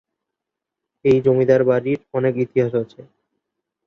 এই জমিদার বাড়ির অনেক ইতিহাস আছে।